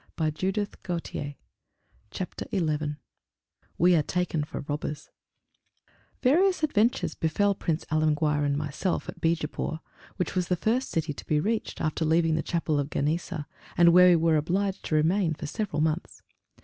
CHAPTER XI WE ARE TAKEN FOR ROBBERS Various adventures befell Prince Alemguir and myself at Beejapoor, which was the first city to be reached after leaving the chapel of Ganesa, and where we were obliged to remain several months.